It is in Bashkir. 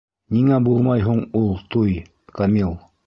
Ниңә булмай һуң ул туй, Камил?